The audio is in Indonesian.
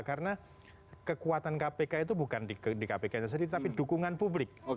karena kekuatan kpk itu bukan di kpk sendiri tapi dukungan publik